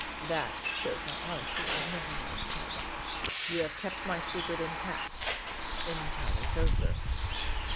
That shows my honesty as nothing else can." "You have kept my secret intact?" "Entirely so, sir."